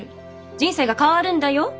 人生が変わるんだよ。